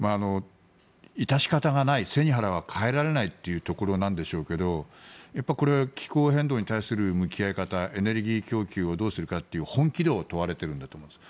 致し方がない背に腹は代えられないというところなんでしょうけどこれ、気候変動に対する向き合い方エネルギー供給をどうするかという本気度を問われているんだと思います。